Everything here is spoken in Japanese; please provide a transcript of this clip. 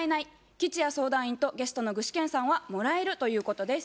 吉弥相談員とゲストの具志堅さんは「もらえる」ということです。